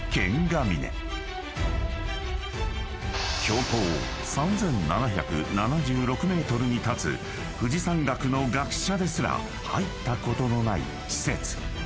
［標高３，７７６ｍに建つ富士山学の学者ですら入ったことのない施設］